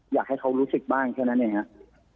อยากให้เขารู้สึกบ้างแค่นั้นเองครับ